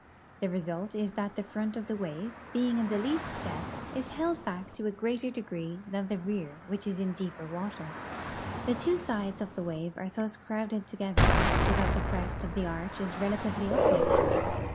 The result is that the front of the wave, being in the least depth, is held back to a greater degree than the rear which is in deeper water. The two sides of the wave are thus crowded together, so that the crest of the arch is rela tively uplifted.